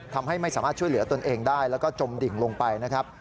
ทำให้ไม่สามารถช่วยเหลือตนเองได้แล้วก็จมดิ่งลงไปนะครับ